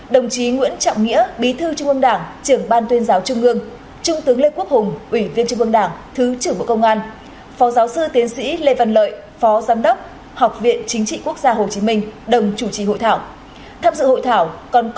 đồng chí nguyễn trọng nghĩa bí thư trung ương đảng trưởng ban tuyên giáo trung ương trung tướng lê quốc hùng ủy viên trung ương đảng thứ trưởng bộ công an phó giáo sư tiến sĩ lê văn lợi phó giám đốc học viện chính trị quốc gia hồ chí minh đồng chủ trì hội thảo